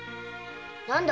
何だ？